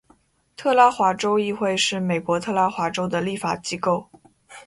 特拉华州议会是美国特拉华州的立法机构。